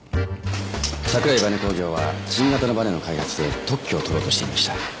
桜井バネ工業は新型のバネの開発で特許を取ろうとしていました。